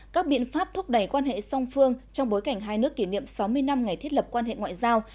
các biện pháp thúc đẩy quan hệ song phương trong bối cảnh hai nước kỷ niệm sáu mươi năm ngày thiết lập quan hệ ngoại giao